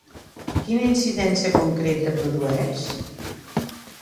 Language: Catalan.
Quina incidència concreta produeix?